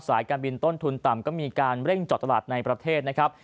การบินต้นทุนต่ำก็มีการเร่งเจาะตลาดในประเทศนะครับ